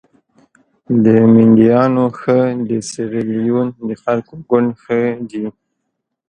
د مینډیانو ښه د سیریلیون د خلکو ګوند ښه دي.